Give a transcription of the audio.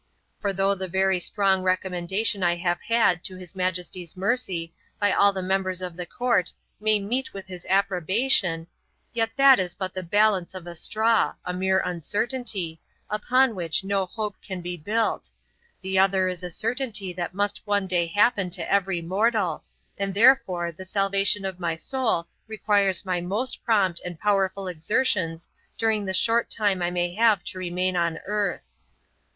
For though the very strong recommendation I have had to his Majesty's mercy by all the members of the Court may meet with his approbation, yet that is but the balance of a straw, a mere uncertainty, upon which no hope can be built; the other is a certainty that must one day happen to every mortal, and therefore the salvation of my soul requires my most prompt and powerful exertions during the short time I may have to remain on earth.